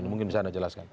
mungkin bisa anda jelaskan